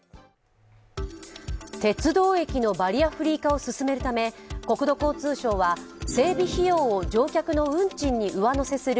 鉄道駅のバリアフリー化を進めるため、国土交通省は整備費用を乗客の運賃に上乗せする